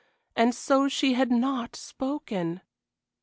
And so she had not spoken.